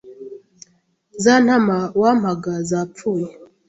za ntama wampaga za pfuye